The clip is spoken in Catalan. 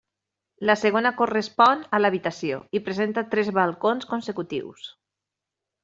La segona correspon a l'habitació i presenta tres balcons consecutius.